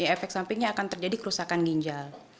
efek sampingnya akan terjadi kerusakan ginjal